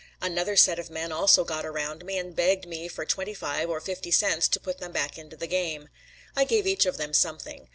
Another set of men also got around me and begged me for twenty five or fifty cents to put them back into the game. I gave each of them something.